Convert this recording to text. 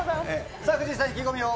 さあ、藤井さん、意気込みを。